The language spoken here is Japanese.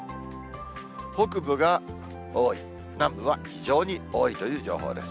北部が多い、南部は非常に多いという情報です。